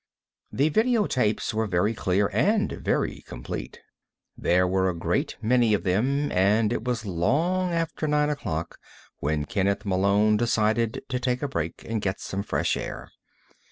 The video tapes were very clear and very complete. There were a great many of them, and it was long after nine o'clock when Kenneth Malone decided to take a break and get some fresh air.